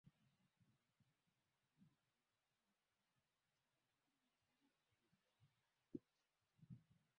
muziki Barani Afrika ni Wale Wale Nkoleki Vale Vale Dorotia Tubonge Agatako na PamPam